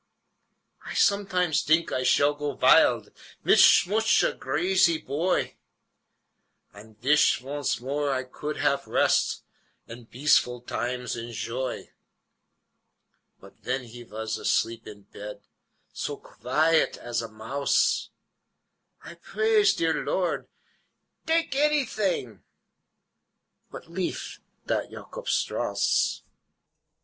I somedimes dink I schall go vild Mit sooch a grazy poy, Und vish vonce more I gould haf rest, Und beaceful dimes enshoy; But ven he vas ashleep in ped, So guiet as a mouse, I prays der Lord, "Dake anyding, But leaf dot Yawcob Strauss."